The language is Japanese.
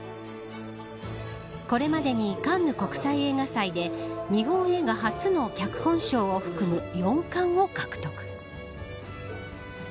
これまでに、カンヌ国際映画祭で日本映画初の脚本賞を含む４冠を獲得。